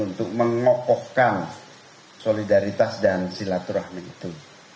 untuk mengokokkan solidaritas dan silaturahmi itu